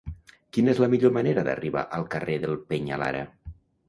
Quina és la millor manera d'arribar al carrer del Peñalara?